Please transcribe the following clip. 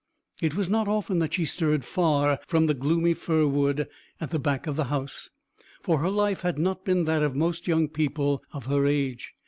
It was not often that she stirred far from the gloomy fir wood at the back of the house, for her life had not been that of most young people of her age.